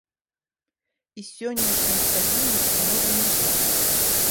І сённяшняй стабільнасці можа не быць.